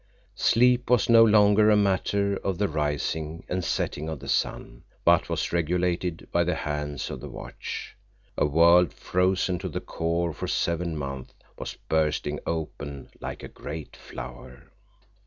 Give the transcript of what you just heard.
Sleep was no longer a matter of the rising and setting of the sun, but was regulated by the hands of the watch. A world frozen to the core for seven months was bursting open like a great flower.